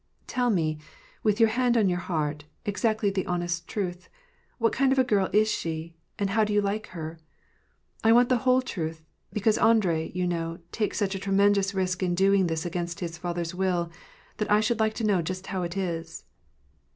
" Tell me, with your hand on your heart, exafctly the honest truth ; what kind of a girl is she, and how do you like her ? I want the whole truth, because Andrei, you know, takes such a tremendous risk in doing this against his father's will, that I should like to know just how it is."